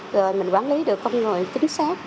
rồi mình quản lý được công người chính xác